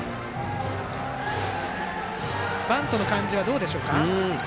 バントの感じはどうでしょうか。